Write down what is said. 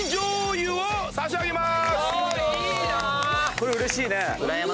これうれしいね。